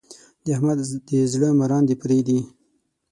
د احمد د زړه مراندې پرې دي.